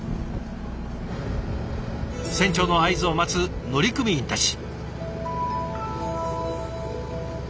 船長の合図を待つ乗組員たち。